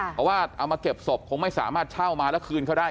เพราะว่าเอามาเก็บศพคงไม่สามารถเช่ามาแล้วคืนเขาได้